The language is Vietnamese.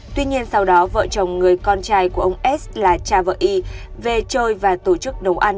tuy nhiên sau đó vợ chồng người con trai của ông s là cha vợ y về chơi và tổ chức nấu ăn